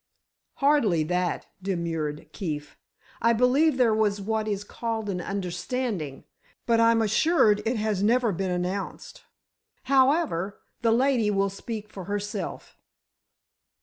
"Hardly that," demurred Keefe. "I believe there was what is called an understanding, but I'm assured it has never been announced. However, the lady will speak for herself."